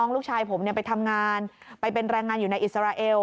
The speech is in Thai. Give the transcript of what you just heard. ลูกชายผมนี้ไปทำงานฬ่านงานอยู่ในอิสราเอล